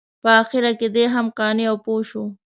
په اخره کې دی هم قانع او پوه شو.